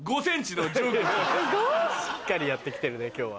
しっかりやってきてるね今日は。